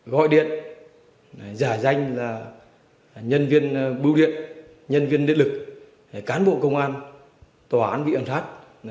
gọi điện giả danh là nhân viên bưu điện nhân viên đế lực cán bộ công an tòa án vị ẩn sát